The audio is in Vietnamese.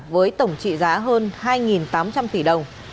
với tổng trị giá hơn hai tám trăm linh tỷ đồng